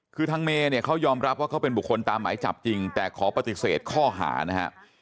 คือทางเมย์เนี่ยเขายอมรับว่าเขาเป็นบุคคลตามหมายจับจริงแต่ขอปฏิเสธข้อหานะฮะ